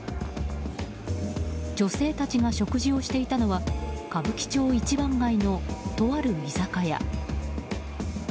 女性たちが食事をしていたのは歌舞伎町一番街の、とある居酒屋。